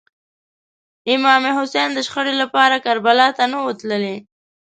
امام حسین د شخړې لپاره کربلا ته نه و تللی.